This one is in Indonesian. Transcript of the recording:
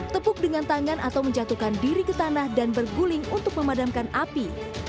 tepuk dengan tangan atau menjatuhkan diri ke tanah dan berguling untuk memadamkan api